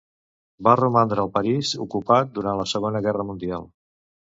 Va romandre al París ocupat durant la Segona Guerra Mundial.